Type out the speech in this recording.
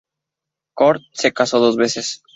Cort se casó dos veces.